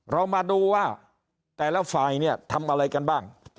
เรามาดูว่าแต่ละฝ่ายเนี่ยทำอะไรกันบ้าง